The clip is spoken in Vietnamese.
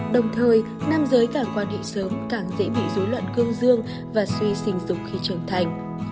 đồng thời nam giới càng quan hệ sớm càng dễ bị dối loạn cương dương và suy sình dục khi trưởng thành